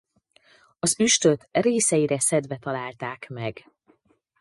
Az üstöt részeire szedve találták meg.